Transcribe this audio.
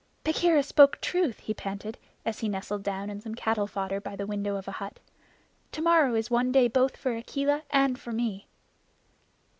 "Bagheera spoke truth," he panted, as he nestled down in some cattle fodder by the window of a hut. "To morrow is one day both for Akela and for me."